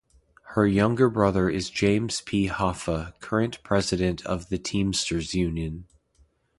Her younger brother is James P. Hoffa, current president of the Teamsters Union.